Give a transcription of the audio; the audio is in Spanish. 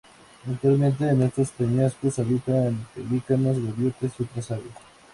Actualmente, en estos peñascos habitan pelícanos, gaviotas y otras aves.